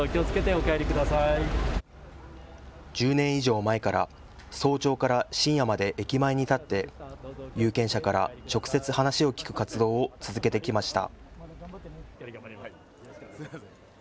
１０年以上前から早朝から深夜まで駅前に立って有権者から直接話を聞く活動を続けてきました。